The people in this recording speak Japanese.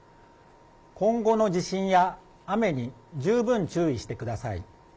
今後の地震や雨に十分注意してください。